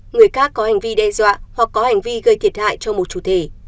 người khác có hành vi đe dọa hoặc có hành vi gây thiệt hại cho một chủ thể